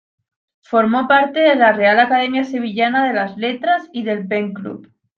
Formó parte de la "Real Academia Sevillana de las Letras" y del "Pen Club".